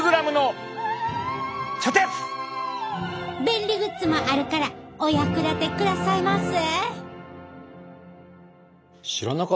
便利グッズもあるからお役立てくださいませ。